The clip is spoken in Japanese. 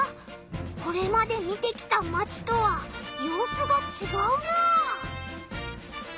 これまで見てきたマチとはようすがちがうなあ。